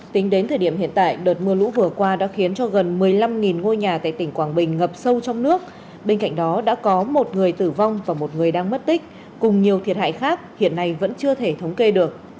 tính đến thời điểm hiện tại đợt mưa lũ vừa qua đã khiến cho gần một mươi năm ngôi nhà tại tỉnh quảng bình ngập sâu trong nước bên cạnh đó đã có một người tử vong và một người đang mất tích cùng nhiều thiệt hại khác hiện nay vẫn chưa thể thống kê được